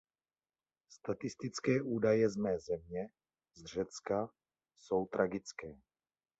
Statistické údaje z mé země, z Řecka, jsou tragické.